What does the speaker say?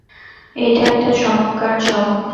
এইটা একটা চমৎকার চমক।